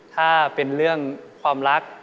ถ้าเป็นเรื่องความรัก